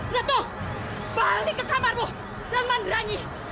neto balik ke kamarmu dan manderangi